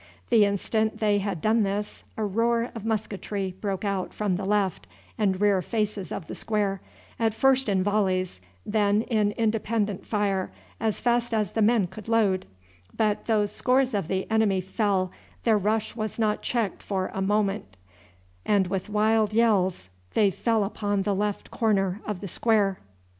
The instant they had done this a roar of musketry broke out from the left and rear faces of the square, at first in volleys, then in independent fire as fast as the men could load; but though scores of the enemy fell, their rush was not checked for a moment, and with wild yells they fell upon the left corner of the square. [Illustration: "THE ARABS WITH WILD YELLS CHARGED UPON THE SQUARE."